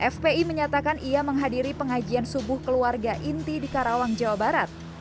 fpi menyatakan ia menghadiri pengajian subuh keluarga inti di karawang jawa barat